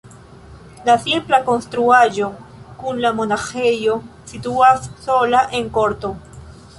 La simpla konstruaĵo kun la monaĥejo situas sola en korto.